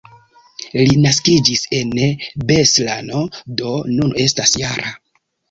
Li naskiĝis en Beslano, do nun estas -jara.